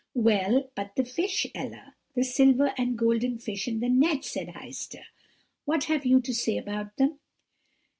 "'Well, but the fish, Ella the silver and golden fish in the net,' said Heister, 'what have you to say about them?'